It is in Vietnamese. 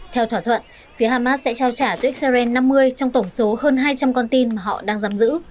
theo thỏa thuận phía hamas sẽ trao trả cho israel năm mươi trong tổng số hơn hai trăm linh con tin mà họ đang giam giữ